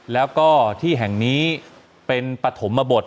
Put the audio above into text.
แล้วก็ที่แห่งนี้เป็นปฐมบท